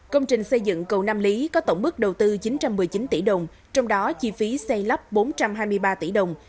công trình xây dựng cầu nam lý có tổng mức đầu tư chín trăm một mươi chín tỷ đồng trong đó chi phí xây lắp bốn trăm hai mươi ba tỷ đồng